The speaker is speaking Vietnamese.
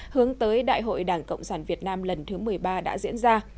hướng tới đại hội đảng cộng sản việt nam lần thứ một mươi ba đã diễn ra